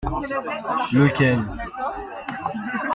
Lequel ?